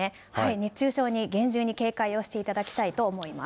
熱中症に厳重に警戒をしていただきたいと思います。